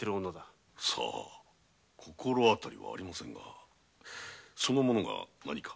いいえ心当たりはありませぬがその者が何か？